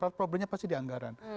karena problemnya pasti di anggaran